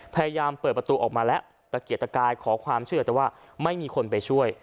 พยายามเปิดประตูออกมาแล้วตะเกียกตะกายขอความเชื่อแต่ว่าไม่มีคนไปช่วย